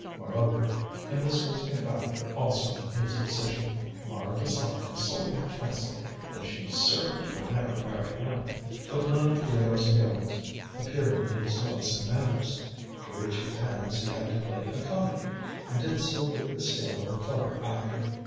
Moreover and this was a factor also in his decision Mara disliked him so intensely that she certainly would never marry him. But none of Theodore's feelings appeared in his looks and manners. To reach his ends he had to play a comedy, and did so with the skill of a clever actor.